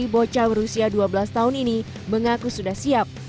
bocah berusia dua belas tahun ini mengaku sudah siap